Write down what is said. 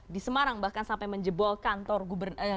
di semarang bahkan sampai menjebol kantor gubernur